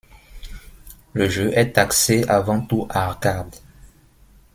Le jeu est axé avant tout arcade.